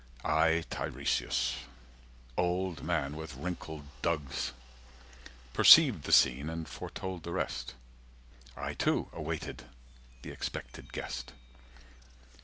I Tiresias, old man with wrinkled dugs Perceived the scene, and foretold the rest— I too awaited the expected guest.